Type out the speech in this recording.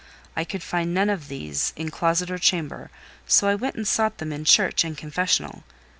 I could find none of these in closet or chamber, so I went and sought them in church and confessional.